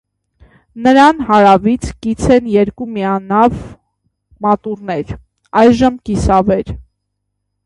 Նրան հարավից կից են երկու միանավ մատուռներ (այժմ՝ կիսավեր)։